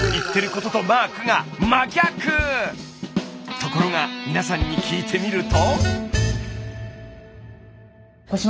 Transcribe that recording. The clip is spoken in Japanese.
ところが皆さんに聞いてみると。